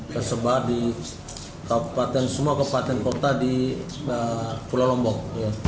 tersebar di kabupaten semua kabupaten kota di pulau lombok